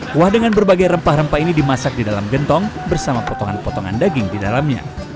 kuah dengan berbagai rempah rempah ini dimasak di dalam gentong bersama potongan potongan daging di dalamnya